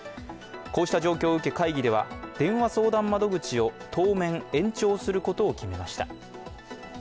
こうした状況を受け、会議では電話相談窓口を当面、延長することを決めました。